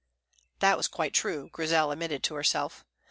That was quite true, Grizel admitted to herself.